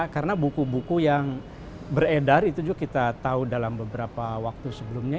karena buku buku yang beredar itu juga kita tahu dalam beberapa waktu sebelumnya